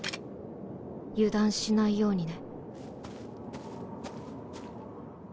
油断しないようにね。